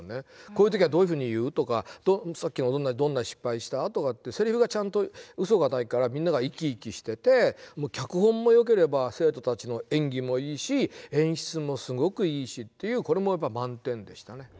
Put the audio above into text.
こういう時はどういうふうに言うとかとさっきもどんな失敗したとかってせりふがちゃんとうそがないからみんなが生き生きしてて脚本もよければ生徒たちの演技もいいし演出もすごくいいしこれも満点でしたね。